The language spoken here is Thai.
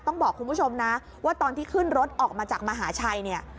ต้องบอกคุณผู้ชมนะว่าตอนที่ขึ้นรถออกมาจากมหาชัยเนี่ย